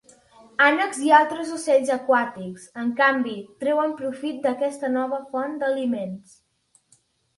Ànecs i altres ocells aquàtics, en canvi, treuen profit d'aquesta nova font d'aliments.